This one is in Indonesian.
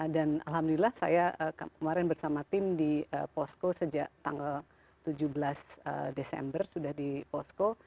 dan alhamdulillah saya kemarin bersama tim di posko sejak tanggal tujuh belas desember sudah di posko